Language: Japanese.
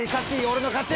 俺の勝ち！